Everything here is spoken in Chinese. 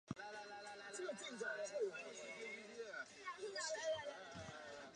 杰佛逊镇区为美国堪萨斯州杰佛逊县辖下的镇区。